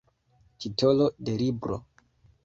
Titolo de libro.